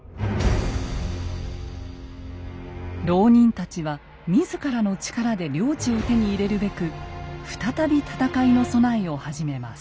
牢人たちは自らの力で領地を手に入れるべく再び戦いの備えを始めます。